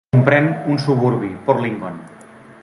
Comprèn un suburbi, Port Lincoln.